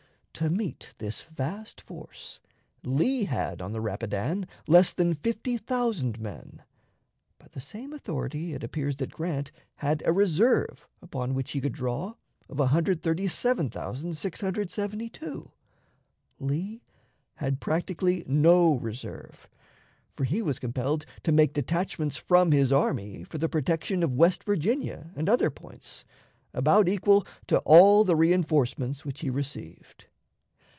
To meet this vast force, Lee had on the Rapidan less than 50,000 men. By the same authority it appears that Grant had a reserve upon which he could draw of 137,672. Lee had practically no reserve, for he was compelled to make detachments from his army for the protection of West Virginia and other points, about equal to all the reënforcements which he received.